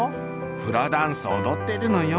「フラダンスおどっているのよ」。